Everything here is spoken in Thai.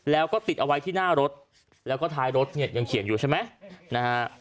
แล้วก็ติดเอาไว้ที่หน้ารถแล้วก็ท้ายรถเนี่ยยังเขียนอยู่ใช่ไหมนะฮะ